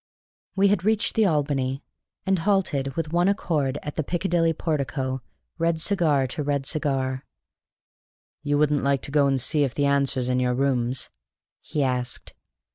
We had reached the Albany, and halted with one accord at the Piccadilly portico, red cigar to red cigar. "You wouldn't like to go and see if the answer's in your rooms?" he asked.